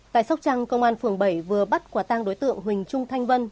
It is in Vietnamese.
tại sóc trăng công an phường bảy vừa bắt quả tang đối tượng huỳnh trung thanh vân